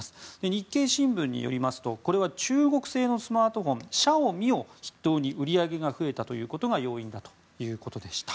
日経新聞によりますとこれは中国製スマートフォンシャオミを筆頭に売り上げが増えたことが要因だということでした。